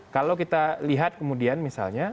kalau kita lihat kemudian misalnya